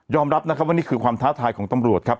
รับนะครับว่านี่คือความท้าทายของตำรวจครับ